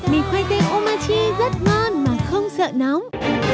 mì khoai tây omachi rất ngon mà không sợ nóng